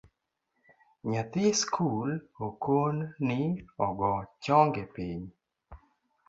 Nyathi skul okon ni ogoo chonge piny